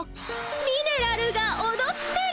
ミネラルがおどってる。